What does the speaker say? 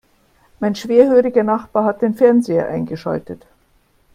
Mein schwerhöriger Nachbar hat den Fernseher eingeschaltet.